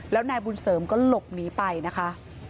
แล้วนายบุญเสริมก็หลบหนีไปนะคะ